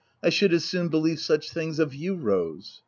— I should as soon believe such things of you Rose."